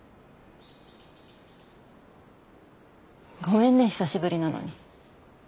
ごめんね久しぶりなのに。